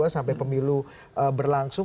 sampai pemilu berlangsung